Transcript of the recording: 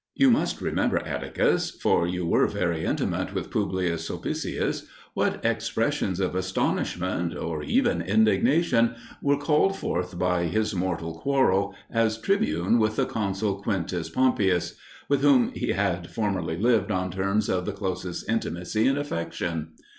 You must remember, Atticus, for you were very intimate with Publius Sulpicius, what expressions of astonishment, or even indignation, were called forth by his mortal quarrel, as tribune, with the consul Quintus Pompeius, with whom he had formerly lived on terms of the closest intimacy and affection.